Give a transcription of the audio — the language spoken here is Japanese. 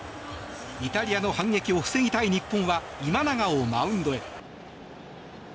イタリアの反撃を防ぎたい日本は今永をマウンドへ。